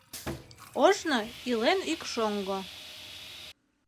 Ожно илен ик шоҥго.